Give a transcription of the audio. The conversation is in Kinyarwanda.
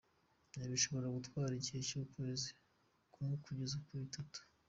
Ibi bishobora gutwara igihe cy’ukwezi kumwe kugeza kuri atatu.